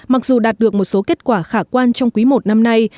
mặc dù đạt được một số kết quả khả quan trong quý i năm nay